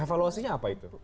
evaluasinya apa itu